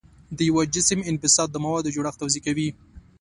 د یو جسم انبساط د موادو جوړښت توضیح کوي.